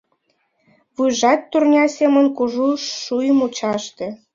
Вуйжат турня семын кужу шӱй мучаште.